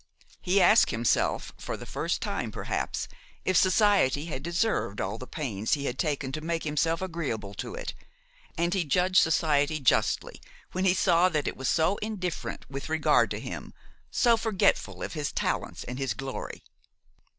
He asked himself, for the first time, perhaps, if society had deserved all the pains he had taken to make himself agreeable to it, and he judged society justly when he saw that it was so indifferent with regard to him, so forgetful of his talents and his glory.